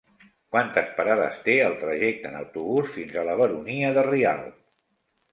Quantes parades té el trajecte en autobús fins a la Baronia de Rialb?